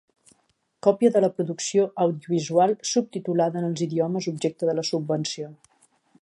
Còpia de la producció audiovisual subtitulada en els idiomes objecte de la subvenció.